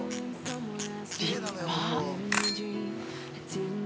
立派。